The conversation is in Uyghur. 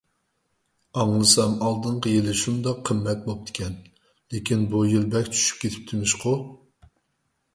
ئاڭلىسام ئالدىنقى يىلى شۇنداق قىممەت بوپتىكەن. لېكىن بۇ يىل بەك چۈشۈپ كېتىپتىمىشقۇ!